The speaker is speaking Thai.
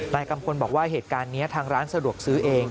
กัมพลบอกว่าเหตุการณ์นี้ทางร้านสะดวกซื้อเอง